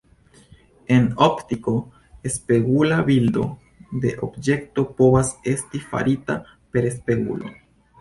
En optiko, spegula bildo de objekto povas esti farita per spegulo.